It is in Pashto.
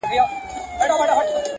د غله مور په غلا ژاړي.